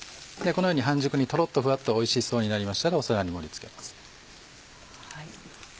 このように半熟にとろっとふわっとおいしそうになりましたら皿に盛り付けます。